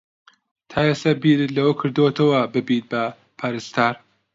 تا ئێستا بیرت لەوە کردووەتەوە ببیت بە پەرستار؟